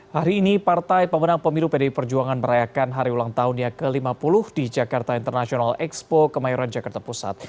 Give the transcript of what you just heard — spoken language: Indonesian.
hari ini partai pemenang pemilu pdi perjuangan merayakan hari ulang tahunnya ke lima puluh di jakarta international expo kemayoran jakarta pusat